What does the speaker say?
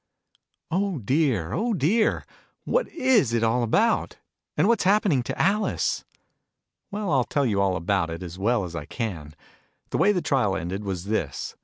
Oh dear, oil dear ! What is it all about ? And what's happening to Alice ? Well, I'll tell you all about it, as well I can. The way the trial ended was this.